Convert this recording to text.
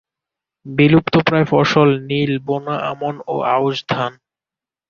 বিলুপ্তপ্রায় ফসল নীল, বোনা আমন ও আউশ ধান।